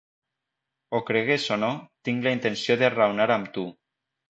Ho cregues o no, tinc la intenció de raonar amb tu.